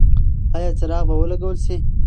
ایا څراغ به ولګول شي؟